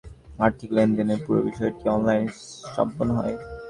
Hacker ভাড়া থেকে শুরু করে আর্থিক লেনদেনের পুরো বিষয়টি অনলাইনে সম্পন্ন হয়।